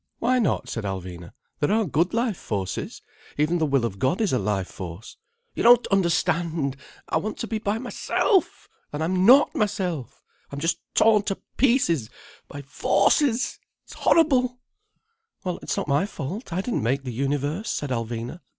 "Why not?" said Alvina. "There are good life forces. Even the will of God is a life force." "You don't understand! I want to be myself. And I'm not myself. I'm just torn to pieces by Forces. It's horrible—" "Well, it's not my fault. I didn't make the universe," said Alvina.